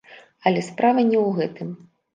Але справа не ў гэтым.